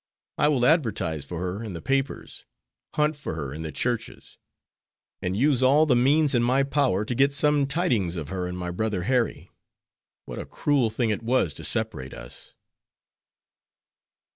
I will advertise for her in the papers, hunt for her in the churches, and use all the means in my power to get some tidings of her and my brother Harry. What a cruel thing it was to separate us!"